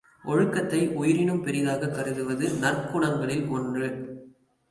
ஒழுக்கத்தை உயிரினும் பெரிதாகக் கருதுவது நற்குணங்களில் ஒன்று.